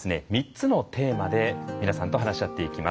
３つのテーマで皆さんと話し合っていきます。